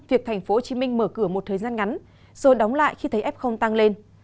việc tp hcm mở cửa một thời gian ngắn rồi đóng lại khi thấy f tăng lên